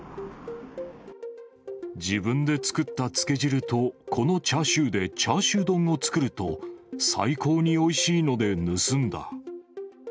自分で作ったつけ汁と、このチャーシューでチャーシュー丼を作ると、最高においしいので盗んだ。